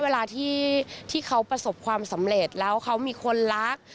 เวลาที่เขาประสบความสำเร็จแล้วเขามีคนรัก